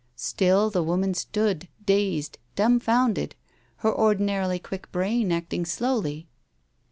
Still the woman stood, dazed, dumbfounded, her ordinarily quick brain acting slowly.